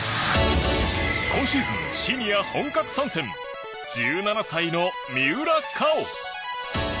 今シーズン、シニア本格参戦１７歳の三浦佳生。